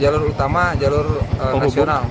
jalur utama jalur nasional